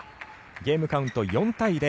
ゲームカウント４対０